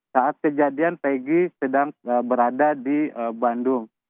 saat kejadian pg sedang berada di bandung